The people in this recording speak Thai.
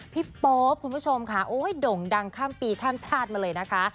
โป๊ปคุณผู้ชมค่ะโอ้ยด่งดังข้ามปีข้ามชาติมาเลยนะคะ